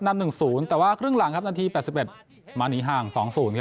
นั่นหนึ่งศูนย์แต่ว่าครึ่งหลังครับนาทีแปดสิบเอ็ดมาหนีห่างสองศูนย์ครับ